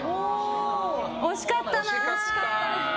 惜しかったな。